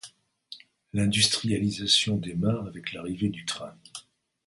L'industrialisation démarre avec l'arrivée du train.